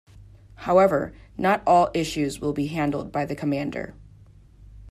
However, not all issues will be handled by the commander.